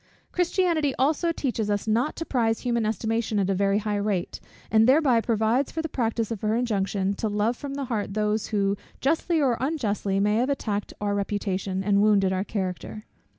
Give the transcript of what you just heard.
Christianity also teaches us not to prize human estimation at a very high rate; and thereby provides for the practice of her injunction, to love from the heart those who, justly or unjustly, may have attacked our reputation, and wounded our character.